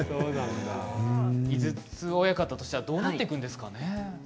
井筒親方としてどうなっていくんですかね。